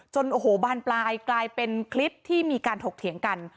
โอ้โหบานปลายกลายเป็นคลิปที่มีการถกเถียงกัน